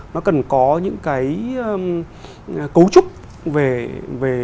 nó cần có những cái cấu trúc về